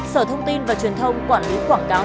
sở thông tin và truyền thông quản lý quảng cáo